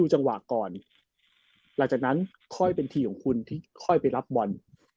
หลังจากนั้นค่อยเป็นทีของคุณที่อยากรับบอล